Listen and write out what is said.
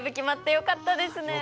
よかったです。